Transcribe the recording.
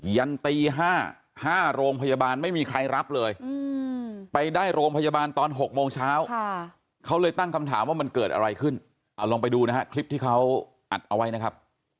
ยันตี๕๕โรงพยาบาลไม่มีใครรับเลยไปได้โรงพยาบาลตอน๖โมงเช้าเขาเลยตั้งคำถามว่ามันเกิดอะไรขึ้นเอาลองไปดูนะฮะคลิปที่เขาอัดเอาไว้นะครับ